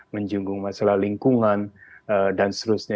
menyinggung masalah lingkungan dan seterusnya